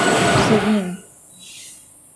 Seguín.